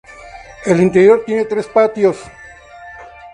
El interior tiene tres patios.